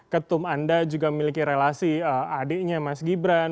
ketum anda juga memiliki relasi adiknya mas gibran